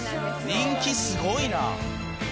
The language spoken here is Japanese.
人気すごいな。